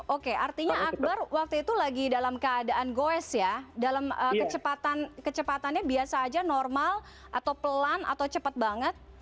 oke artinya akbar waktu itu lagi dalam keadaan goes ya dalam kecepatannya biasa aja normal atau pelan atau cepat banget